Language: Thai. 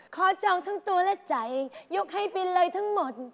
จองทั้งตัวและใจยกให้บินเลยทั้งหมด